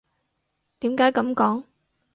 點解噉講？